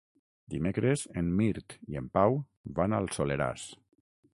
Dimecres en Mirt i en Pau van al Soleràs.